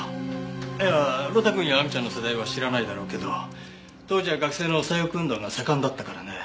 いやあ呂太くんや亜美ちゃんの世代は知らないだろうけど当時は学生の左翼運動が盛んだったからね。